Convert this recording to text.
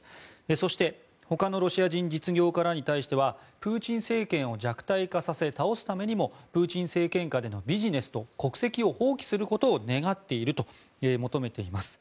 そして、ほかのロシア人実業家らに対してはプーチン政権を弱体化させ倒すためにもプーチン政権下でのビジネスと国籍を放棄することを願っていると求めています。